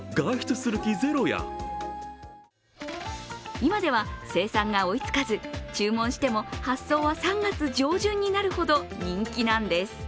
今では生産が追いつかず、注文しても発送は３月上旬になるほど人気なんです。